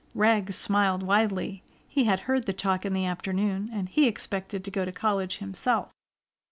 Rags smiled widely. He had heard the talk in the afternoon, and he expected to go to college himself.